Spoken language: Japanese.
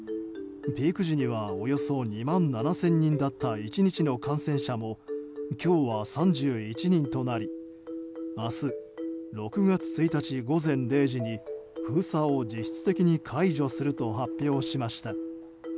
ピーク時にはおよそ２万７０００人だった１日の感染者も今日は３１人となり明日６月１日午前０時に封鎖を実質的に解除すると発表しました。